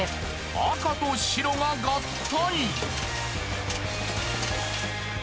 赤と白が合体。